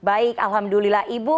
baik alhamdulillah ibu